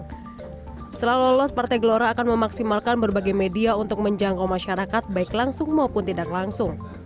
setelah lolos partai gelora akan memaksimalkan berbagai media untuk menjangkau masyarakat baik langsung maupun tidak langsung